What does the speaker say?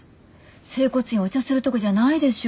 整骨院お茶するとこじゃないでしょ